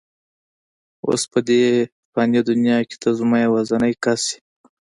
اوس په دې فاني دنیا کې ته زما یوازینۍ کس یې.